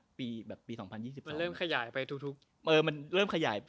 ในปี๒๐๒๒มันเริ่มขยายไปขยายไปถึงการกู้การการเต้นกลาง